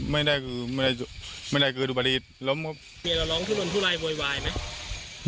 ไม่ได้คืออุบัติอีดล้มครับเมียเราร้องขึ้นบนทุลายเวยวายไหม